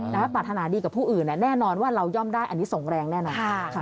ปรารถนาดีกับผู้อื่นแน่นอนว่าเราย่อมได้อันนี้ส่งแรงแน่นอน